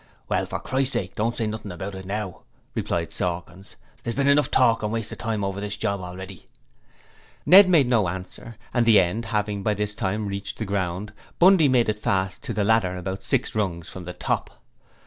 'Well, for Christ's sake don't say nothing about it now,' replied Sawkins. 'There's been enough talk and waste of time over this job already.' Ned made no answer and the end having by this time reached the ground, Bundy made it fast to the ladder, about six rungs from the top.